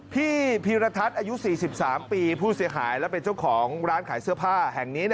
พี่พีรทัศน์อายุ๔๓ปีผู้เสียหายและเป็นเจ้าของร้านขายเสื้อผ้าแห่งนี้